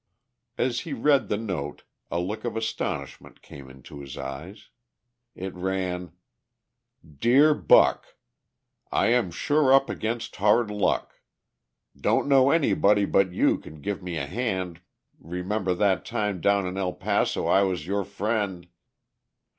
As he read the note a look of astonishment came into his eyes. It ran: "Deer buck, I am shure up against hard luck. Dont know nobody but you can give me a hand remember that time down in El paso I was yore freind.